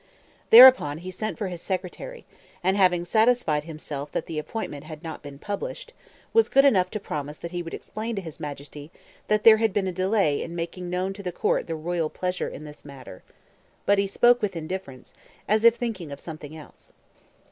Thereupon he sent for his secretary, and having satisfied himself that the appointment had not been published, was good enough to promise that he would explain to his Majesty that "there had been delay in making known to the Court the royal pleasure in this matter"; but he spoke with indifference, as if thinking of something else.